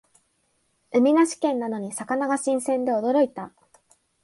海なし県なのに魚が新鮮で驚いた